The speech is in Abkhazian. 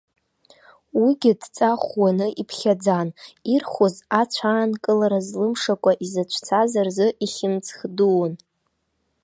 Уигьы дҵа ӷәӷәаны иԥхьаӡан, ирхәыз ацә аанкылара злымшакәа изыцәцаз рзы ихьымӡӷ дуун.